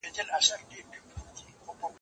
زه اوس د سبا لپاره د ژبي تمرين کوم!؟